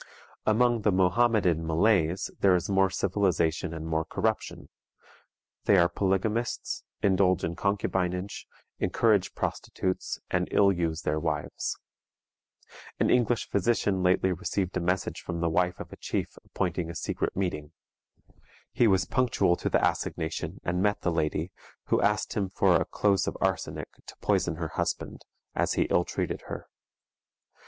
Among the Mohammedan Malays there is more civilization and more corruption. They are polygamists, indulge in concubinage, encourage prostitutes, and ill use their wives. An English physician lately received a message from the wife of a chief appointing a secret meeting. He was punctual to the assignation, and met the lady, who asked him for a close of arsenic to poison her husband, as he ill treated her.